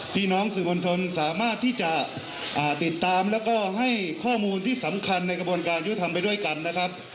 พี่น้องสื่อมวลชนสามารถที่จะติดตามแล้วก็ให้ข้อมูลที่สำคัญในกระบวนการยุทธรรมไปด้วยกันนะครับ